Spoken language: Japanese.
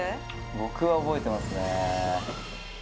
僕は覚えてますね